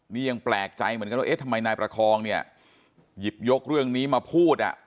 นี่ยังแปลกใจเหมือนกันว่าเอ๊ะทำไมนายประคองเนี่ยหยิบยกเรื่องนี้มาพูดอ่ะ